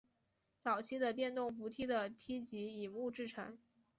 早期的电动扶梯的梯级以木制成。